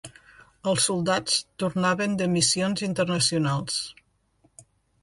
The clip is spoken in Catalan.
Els soldats tornaven de missions internacionals.